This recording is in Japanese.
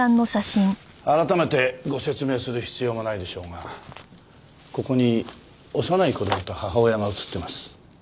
改めてご説明する必要もないでしょうがここに幼い子供と母親が写ってます。